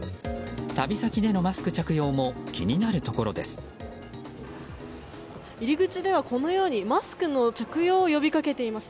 旅先でのマスク着用も気になるところです。